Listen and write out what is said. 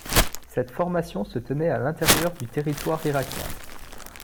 Cette formation se tenait à l'intérieur du territoire irakien.